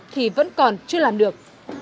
thì vẫn còn chưa làm được